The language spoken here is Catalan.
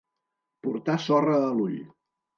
Portar sorra a l'ull.